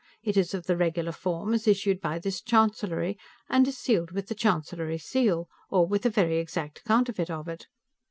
It is of the regular form, as issued by this Chancellery, and is sealed with the Chancellery seal, or with a very exact counterfeit of it.